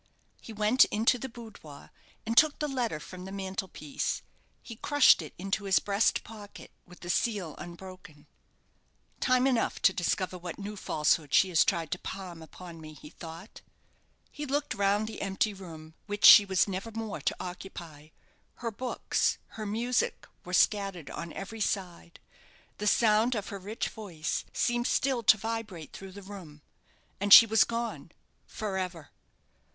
He went into the boudoir, and took the letter from the mantel piece. He crushed it into his breast pocket with the seal unbroken "Time enough to discover what new falsehood she has tried to palm upon me," he thought. He looked round the empty room which she was never more to occupy. Her books, her music, were scattered on every side. The sound of her rich voice seemed still to vibrate through the room. And she was gone for ever!